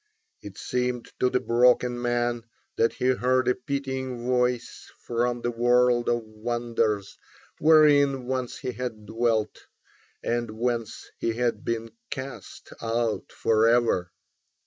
It seemed to the broken man that he heard a pitying voice from the world of wonders, wherein once he had dwelt, and whence he had been cast out forever.